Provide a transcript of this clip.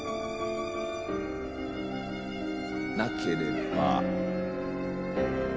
なければ。